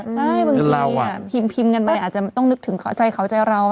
ใช่บางทีพิมพ์กันไปอาจจะต้องนึกถึงใจเขาใจเรา